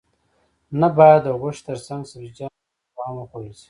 نه باید د غوښې ترڅنګ سبزیجات او میوه هم وخوړل شي